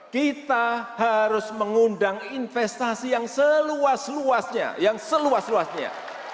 kita harus mengundang investasi yang seluas luasnya